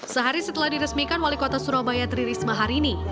sehari setelah diresmikan wali kota surabaya tririsma hari ini